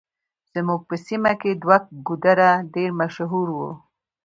زموږ په سيمه کې دوه ګودره ډېر مشهور وو.